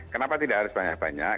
kenapa tidak harus banyak banyak